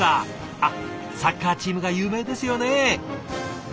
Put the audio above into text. あっサッカーチームが有名ですよね。